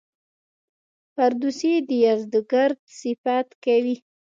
فردوسي د یزدګُرد صفت کوي.